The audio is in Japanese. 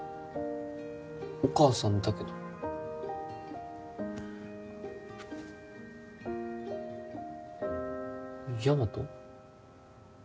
お母さんだけどヤマト？